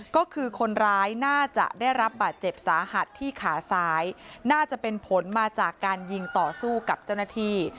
ก็คือคนร้ายน่าจะได้รับบาดเจ็บสาหัสที่ขาซ้ายน่าจะเป็นผลมาจากการยิงต่อสู้กับเจ้าหน้าที่